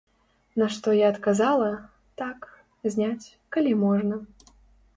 На што я адказала, так, зняць, калі можна.